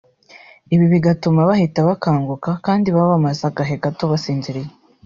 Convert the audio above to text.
ibi bigatuma bahita bakanguka kandi baba bamaze agahe gato basinziriye